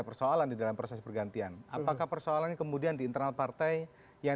persoalan di dalam proses pergantian apakah persoalannya kemudian di internal partai yang